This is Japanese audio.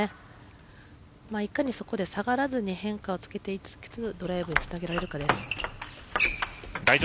いかにそこで下がらずに変化をつけていきつつドライブにつなげられるかです。